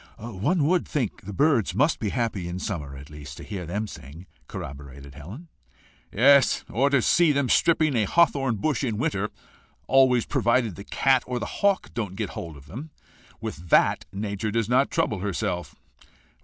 "One WOULD think the birds must be happy in summer, at least, to hear them sing," corroborated Helen. "Yes, or to see them stripping a hawthorn bush in winter always provided the cat or the hawk don't get hold of them. With that nature does not trouble herself.